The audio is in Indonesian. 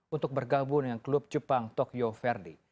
untuk bergabung dengan klub jepang tokyo verde